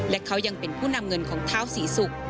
และเขายังเป็นผู้นำเงินของเท้าศรีศุกร์